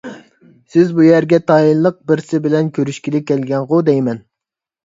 سىز بۇ يەرگە تايىنلىق بىرسى بىلەن كۆرۈشكىلى كەلگەنغۇ دەيمەن؟